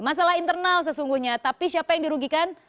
masalah internal sesungguhnya tapi siapa yang dirugikan